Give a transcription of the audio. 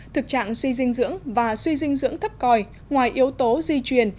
thực trạng suy dinh dưỡng và suy dinh dưỡng thấp còi ngoài yếu tố di truyền